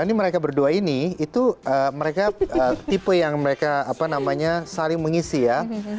ini mereka berdua ini itu mereka tipe yang mereka apa namanya saling mengisi ya